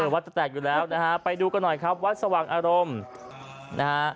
วัดจะแตกอยู่แล้วนะฮะไปดูกันหน่อยครับวัดสว่างอารมณ์นะฮะ